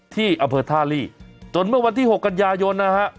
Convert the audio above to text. ที่อำเภอท่าลีจนเมื่อวันที่๖กันยายนนะฮะ